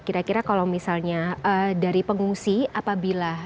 kira kira kalau misalnya dari pengungsi apa yang bisa kita lakukan